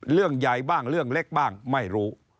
เรื่องใหญ่บ้างเรื่องเล็กบ้างไม่รู้